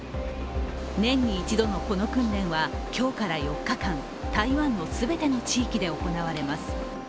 年に一度のこの訓練は今日から４日間、台湾の全ての地域で行われます。